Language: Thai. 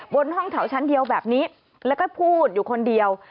บนห้องแถวชั้นเดียวแบบนี้แล้วก็พูดอยู่คนเดียว